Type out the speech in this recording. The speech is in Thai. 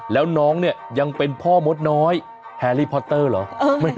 แล้วน้องเนี่ยยังเป็นพ่อมดน้อยแฮรี่พอเตอร์เหรอ